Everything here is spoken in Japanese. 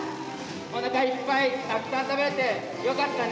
おなかいっぱいたくさん食べれてよかったね。